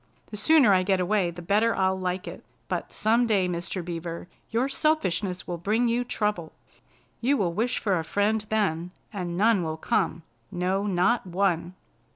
The sooner I get away the better I'll like it. But some day, Mr. Beaver, your selfishness will bring you trouble. You will wish for a friend then, and none will come. No, not one!"